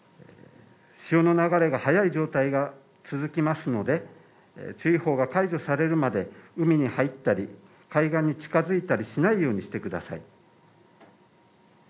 潮の流れが速い状態が続きますので注意報が解除されるまで海に入ったり海岸に近づいたりしないようにしてください